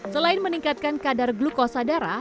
selain meningkatkan kadar glukosa darah